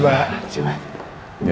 masuk pak silahkan